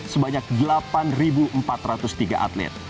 sebanyak delapan empat ratus tiga atlet